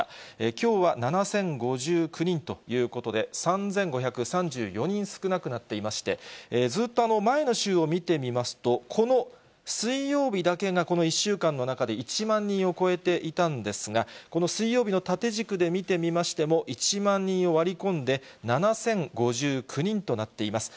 きょうは７０５９人ということで、３５３４人少なくなっていまして、ずっと前の週を見てみますと、この水曜日だけがこの１週間の中で１万人を超えていたんですが、この水曜日の縦軸で見てみましても、１万人を割り込んで、７０５９人となっています。